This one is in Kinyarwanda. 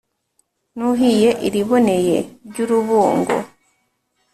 nuhiye iliboneye ry'urubungo,